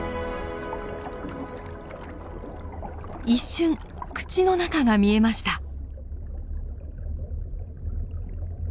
一瞬口の中が見えました。